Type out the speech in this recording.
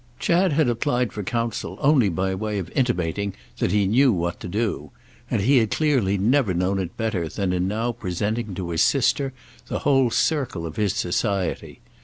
Chad had applied for counsel only by way of intimating that he knew what to do; and he had clearly never known it better than in now presenting to his sister the whole circle of his society.